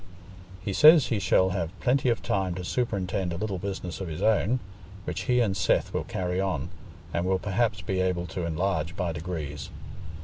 He says he shall have plenty of time to superintend a little business of his own, which he and Seth will carry on, and will perhaps be able to enlarge by degrees.